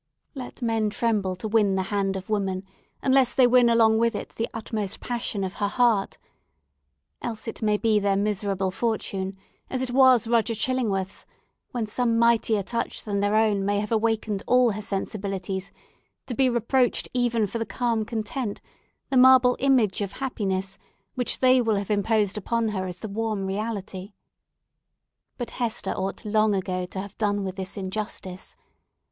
Let men tremble to win the hand of woman, unless they win along with it the utmost passion of her heart! Else it may be their miserable fortune, as it was Roger Chillingworth's, when some mightier touch than their own may have awakened all her sensibilities, to be reproached even for the calm content, the marble image of happiness, which they will have imposed upon her as the warm reality. But Hester ought long ago to have done with this injustice.